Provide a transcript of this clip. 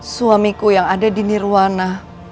suamiku yang ada di nirwana